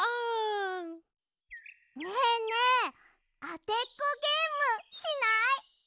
ねえねえあてっこゲームしない？